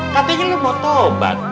katanya lu mau taubat